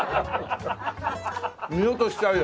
見落としちゃうよ。